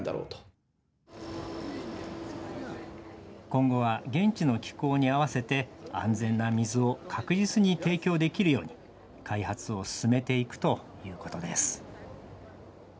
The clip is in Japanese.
今後は現地の気候に合わせて安全な水を確実に提供できるように開発を進めていくということです。